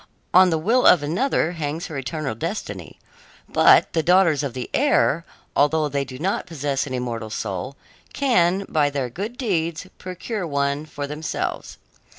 On the will of another hangs her eternal destiny. But the daughters of the air, although they do not possess an immortal soul, can, by their good deeds, procure one for themselves.